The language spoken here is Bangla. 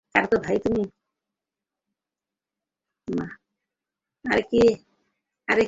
আরে, কে ভাই তুমি?